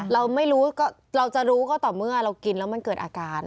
เราไม่รู้เราจะรู้ก็ต่อเมื่อเรากินแล้วมันเกิดอาการ